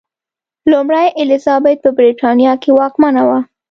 لومړۍ الیزابت په برېټانیا کې واکمنه وه.